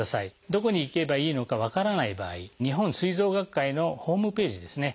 どこに行けばいいのか分からない場合日本膵臓学会のホームページですね